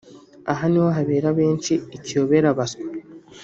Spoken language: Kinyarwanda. Aha niho habera benshi ikiyoberabaswa